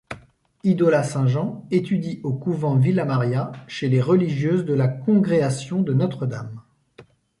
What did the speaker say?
Idola Saint-Jean étudie au couvent Villa-Maria, chez les religieuses de la Congréation de Notre-Dame.